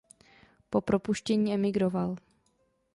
Po propuštění emigroval.